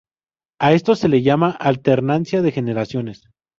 A esto se le llama alternancia de generaciones.